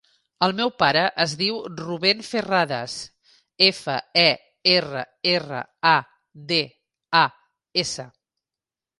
El meu pare es diu Rubèn Ferradas: efa, e, erra, erra, a, de, a, essa.